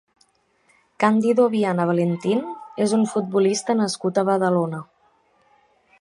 Cándido Viana Valentín és un futbolista nascut a Badalona.